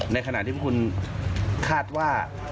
ในขณะที่พวกคุณคาดว่า